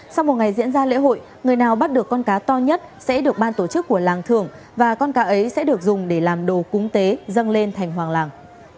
sau một ngày diễn ra lễ hội người nào bắt được con cá to nhất sẽ được ban tổ chức của làng thưởng và con cá ấy sẽ được dùng để làm đồ cúng tế dâng lên thành hoàng làng